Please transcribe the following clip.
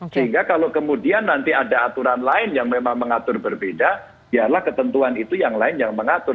sehingga kalau kemudian nanti ada aturan lain yang memang mengatur berbeda biarlah ketentuan itu yang lain yang mengatur